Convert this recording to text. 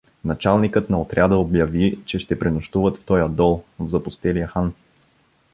Началникът на отряда обяви, че ще пренощуват в тоя дол, в запустелия хан.